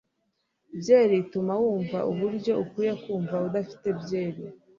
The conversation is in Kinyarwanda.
byeri ituma wumva uburyo ukwiye kumva udafite byeri